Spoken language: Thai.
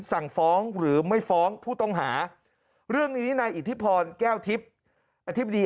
สั่งฟ้องหรือไม่ฟ้องผู้ต้องหาเรื่องนี้นายอิทธิพรแก้วทิพย์อธิบดี